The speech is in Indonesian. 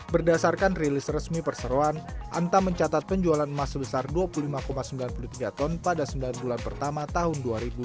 berdasarkan rilis resmi perseroan antam mencatat penjualan emas sebesar dua puluh lima sembilan puluh tiga ton pada sembilan bulan pertama tahun dua ribu dua puluh